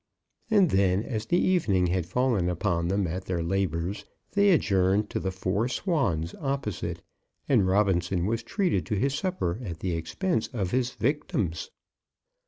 And then, as the evening had fallen upon them, at their labours, they adjourned to the "Four Swans" opposite, and Robinson was treated to his supper at the expense of his victims.